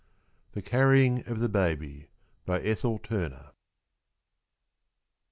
THE CARRYING OF THE BABY. BY ETHEL TURNER.